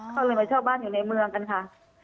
เขาเลยมาเช่าบ้านอยู่ในเมืองกันค่ะ